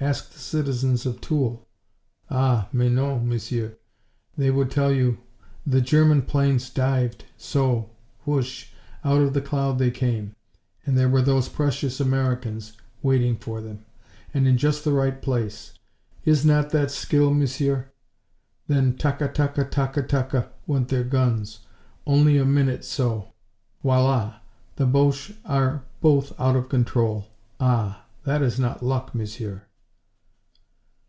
Ask the citizens of Toul. Ah, mais non, Messieurs! they would tell you. The German planes dived so. Whoosh! Out of the cloud they came. And there were those precious Americans, waiting for them and in just the right place. Is not that skill, Monsieur? Then, taka taka taka taka went their guns. Only a minute so. Voila! The Boche are both out of control. Ah, that is not luck, Monsieur.